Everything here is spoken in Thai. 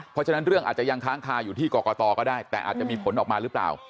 เพราะฉะนั้นเรื่องอาจจะยังค้างคาอยู่ที่กรกตก็ได้แต่อาจจะมีผลออกมาหรือเปล่า